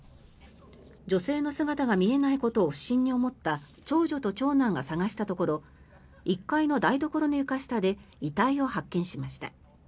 女性の姿が見えないことを不審に思った長女と長男が捜したところ１階の台所の床下で遺体を発見しました。